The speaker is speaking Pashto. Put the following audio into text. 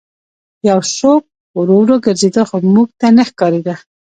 یو څوک ورو ورو ګرځېده خو موږ ته نه ښکارېده